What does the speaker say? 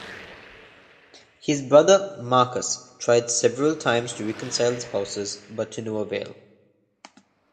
His brother, Marcus, tried several times to reconcile the spouses, but to no avail.